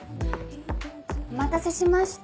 お待たせしました。